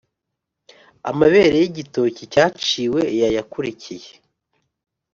amabere y’igitoki cyaciwe yayakurikiye